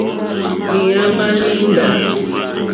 Lǐǃáámà líndǎ.